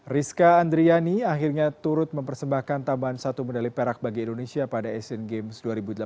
rizka andriani akhirnya turut mempersembahkan tambahan satu medali perak bagi indonesia pada asian games dua ribu delapan belas